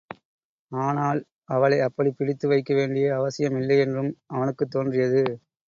ஆனால், அவளை அப்படிப் பிடித்து வைக்க வேண்டிய அவசியம் இல்லையென்றும் அவனுக்குத் தோன்றியது.